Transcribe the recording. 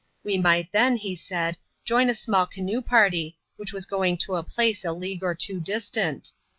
"We might then, he said, join a small canoe party, which was going to a place a league or two distant.